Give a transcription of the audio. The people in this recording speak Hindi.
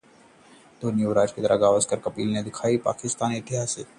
धोनी-युवराज की तरह गावस्कर-कपिल ने दिलाई थी पाकिस्तान पर ऐतिहासिक जीत